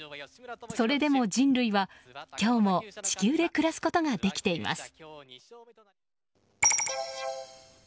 それでも人類は今日も地球で暮らすことができています。